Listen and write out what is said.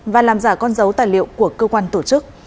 và làm giả con dấu tài liệu của cơ quan tổ chức